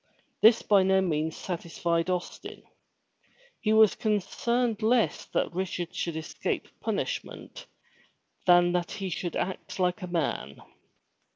This by no means satisfied Austin. His concern was less that Rich ard should escape punishment, than that he should act like a man.